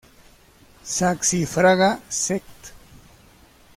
Saxifraga sect.